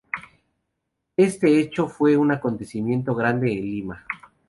Este hecho fue un acontecimiento grande en Lima.